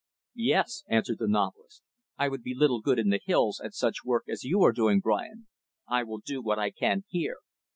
"Yes," answered the novelist, "I would be little good in the hills, at such work as you are doing, Brian. I will do what I can, here."